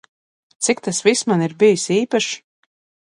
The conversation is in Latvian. Cik tas viss man ir bijis īpašs?